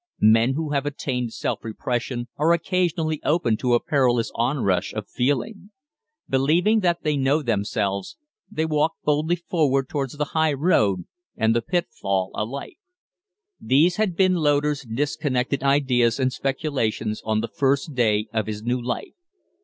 Men who have attained self repression are occasionally open to a perilous onrush of feeling. Believing that they know themselves, they walk boldly forward towards the high road and the pitfall alike. These had been Loder's disconnected ideas and speculations on the first day of his new life.